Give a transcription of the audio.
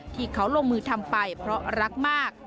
ที่เขาลงมือทำไปเพราะรักมาก